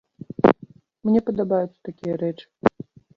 Мне падабаюцца такія рэчы.